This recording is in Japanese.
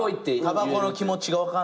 たばこの気持ちが分かんねや。